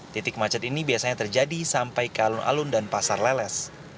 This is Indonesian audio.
titik macet ini biasanya terjadi sampai ke alun alun dan pasar leles